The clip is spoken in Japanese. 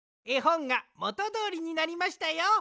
えほんがもとどおりになりましたよ。